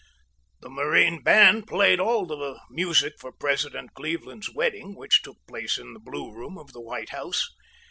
The Marine Band played all the music for President Cleveland's wedding, which took place in the Blue Room of the White House.